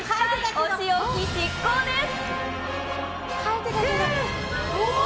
お仕置き執行です！